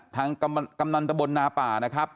กำนันตะบนนาป่านะครับ